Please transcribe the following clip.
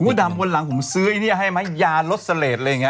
กูดำกว่านหลังของซื้ออย่างนี้ให้ไหมยารสเลสอะไรไง